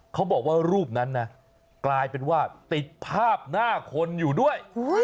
เขาบอกว่ารูปนั้นนะกลายเป็นว่าติดภาพหน้าคนอยู่ด้วย